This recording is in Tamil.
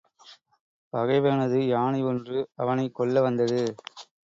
பகைவனது யானை ஒன்று அவனைக் கொல்லவந்தது.